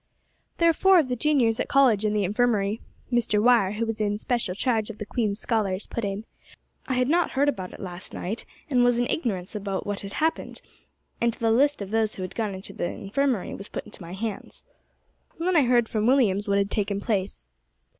"There are four of the juniors at College in the infirmary," Mr. Wire, who was in special charge of the Queen's Scholars, put in. "I had not heard about it last night, and was in ignorance of what had taken place until the list of those who had gone into the infirmary was put into my hands, and then I heard from Williams what had taken place."